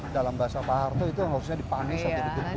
dalam bahasa pak harto itu harusnya diberi penyuluhan